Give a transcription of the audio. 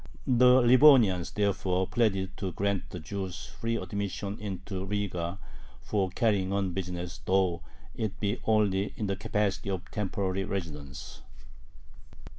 The Livonians therefore pleaded to grant the Jews free admission into Riga for carrying on business, though it be only in the capacity of temporary residents.